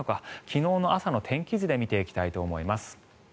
昨日の朝の天気図で見ていきたいと思います。